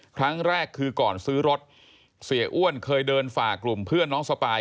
ครั้งแรกคือก่อนซื้อรถเสียอ้วนเคยเดินฝ่ากลุ่มเพื่อนน้องสปาย